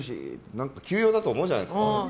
何か急用だと思うじゃないですか。